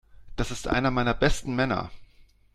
Das ist einer meiner besten Männer.